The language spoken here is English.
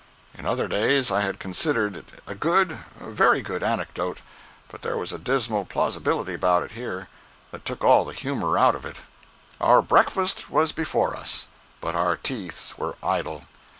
In other days I had considered it a good, a very good, anecdote, but there was a dismal plausibility about it, here, that took all the humor out of it. Our breakfast was before us, but our teeth were idle.